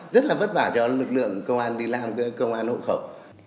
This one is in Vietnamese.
rất là vất vả cho lực lượng công an đi làm công an hộ khẩu